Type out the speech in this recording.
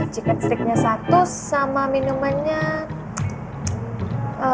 cicket stik nya satu sama minumannya